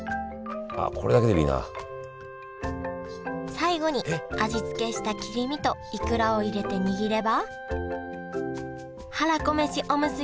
最後に味付けした切り身とイクラを入れて握ればはらこめしおむすびの完成です